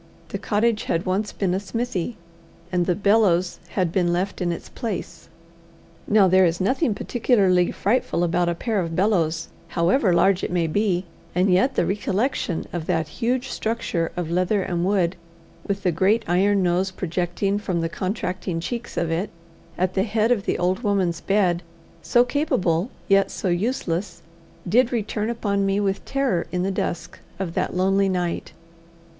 The cottage had once been a smithy, and the bellows had been left in its place. Now there is nothing particularly frightful about a pair of bellows, however large it may be, and yet the recollection of that huge structure of leather and wood, with the great iron nose projecting from the contracting cheeks of it, at the head of the old woman's bed, so capable yet so useless, did return upon me with terror in the dusk of that lonely night.